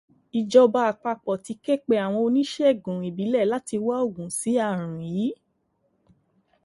Ìjọba àpapọ̀ ti ké pe àwọn oníṣègùn ìbílẹ̀ láti wá oògùn sí àrùn yìí